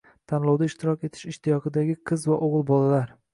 tanlovda ishtirok etish ishtiyoqidagi qiz va o‘g‘il bolalar